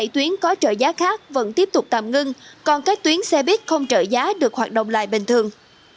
một mươi tuyến có trợ giá khác vẫn tiếp tục tạm ngưng còn các tuyến xe buýt không trợ giá được hoạt động lại bình thường